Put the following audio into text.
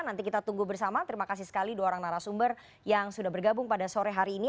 nanti kita tunggu bersama terima kasih sekali dua orang narasumber yang sudah bergabung pada sore hari ini